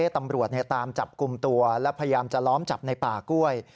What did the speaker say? ตำรวจตามจับกลุ่มตัวและพยายามจะล้อมจับในป่ากล้วย